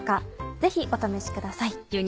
ぜひお試しください。